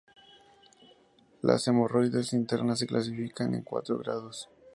Las hemorroides internas se clasifican en cuatro grados.